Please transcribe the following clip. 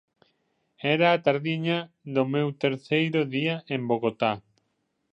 Era a tardiña do meu terceiro día en Bogotá.